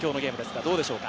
どうでしょうか？